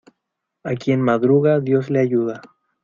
A quien madruga, dios le ayuda.